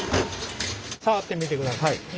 触ってみてください。